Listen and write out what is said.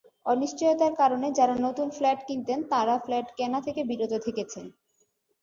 অনিশ্চয়তার কারণে যারা নতুন ফ্ল্যাট কিনতেন, তাঁরা ফ্ল্যাট কেনা থেকে বিরত থেকেছেন।